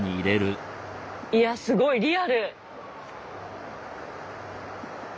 いやすごいリアル。